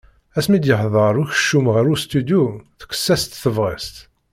Asmi d-yeḥḍeṛ ukeččum γer ustudyu tekkes-as-tt tebγest.